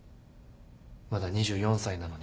まだ２４歳なのに。